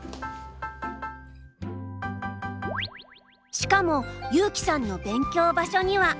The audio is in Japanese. しかも優希さんの勉強場所には。